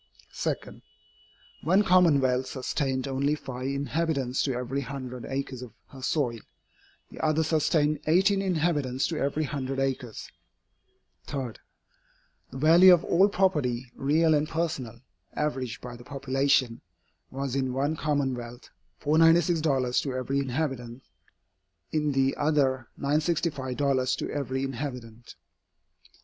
2. One commonwealth sustained only five inhabitants to every hundred acres of her soil, the other sustained eighteen inhabitants to every hundred acres. 3. The value of all property, real and personal, averaged by the population, was in one commonwealth $496 to every inhabitant, in the other $965 to every inhabitant.